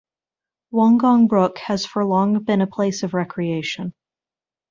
Wongong Brook has for long been a place of recreation.